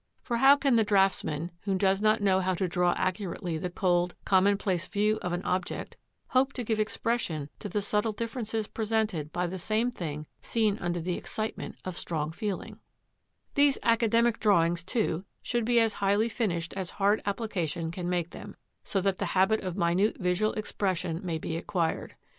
For how can the draughtsman, who does not know how to draw accurately the cold, commonplace view of an object, hope to give expression to the subtle differences presented by the same thing seen under the excitement of strong feeling? [Illustration: Plate V. FROM A STUDY BY BOTTICELLI In the Print Room at the British Museum.] These academic drawings, too, should be as highly finished as hard application can make them, so that the habit of minute visual expression may be acquired.